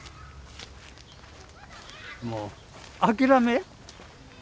もう諦め。